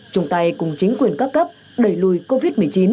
chúng ta cùng chính quyền các cấp đẩy lùi covid một mươi chín